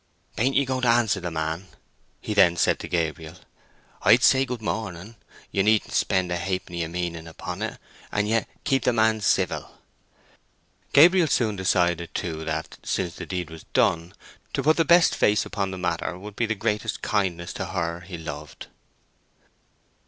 "Bain't ye going to answer the man?" he then said to Gabriel. "I'd say good morning—you needn't spend a hapenny of meaning upon it, and yet keep the man civil." Gabriel soon decided too that, since the deed was done, to put the best face upon the matter would be the greatest kindness to her he loved.